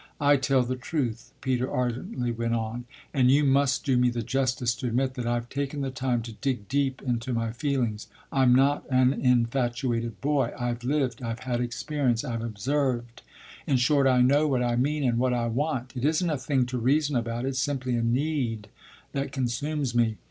"I tell the truth," Peter ardently went on; "and you must do me the justice to admit that I've taken the time to dig deep into my feelings. I'm not an infatuated boy; I've lived, I've had experience, I've observed; in short I know what I mean and what I want. It isn't a thing to reason about; it's simply a need that consumes me.